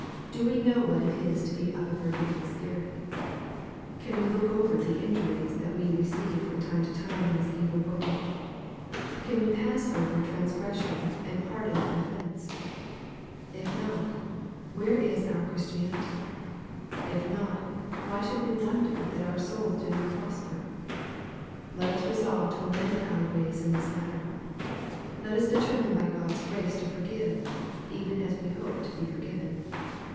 Do we know what it is to be of a forgiving spirit ? Can we look over the injuries that we receive from time to time in this evil world ? Can we pass over a transgres sion and pardon an offence ? If not, where is our Christianity ? If not, why should we wonder that our souls do not prosper ? Let us resolve to amend our ways in this matter. Let us determine by God's grace to forgive, even as we hope to be forgiven.